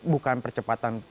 bukan percepatan pemerintah